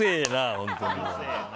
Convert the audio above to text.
本当に。